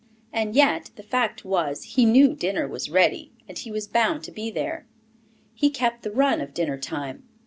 And yet, the fact was, he knew dinner was ready, and he was bound to be there. He kept the run of dinner time.